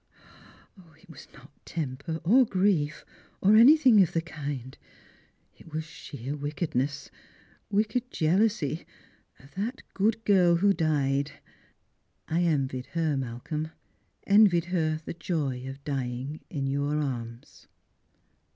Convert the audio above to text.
" It was not temper, or grief, or anything of the kind ; it was sheer wickedness — wicked jealousy of that good girl who died. I envied her, Malcolm — envied her the joy of dying in your arms."